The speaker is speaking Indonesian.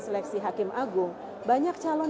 seleksi hakim agung banyak calon